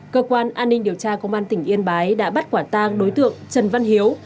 cơ quan an ninh điều tra công an tỉnh yên bái đã bắt quả tang đối tượng trần văn hiếu